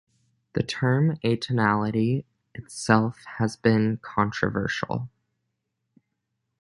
The term "atonality" itself has been controversial.